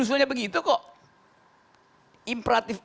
itu awal awal baru kita kampanye buat itu